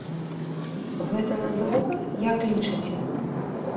Гэта надоўга, як лічыце?